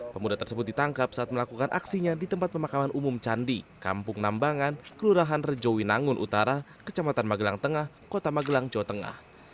pemuda tersebut ditangkap saat melakukan aksinya di tempat pemakaman umum candi kampung nambangan kelurahan rejowinangun utara kecamatan magelang tengah kota magelang jawa tengah